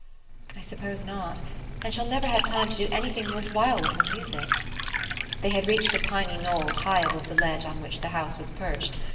"I suppose not. And she'll never have time to do anything worth while with her music." They had reached a piny knoll high above the ledge on which the house was perched.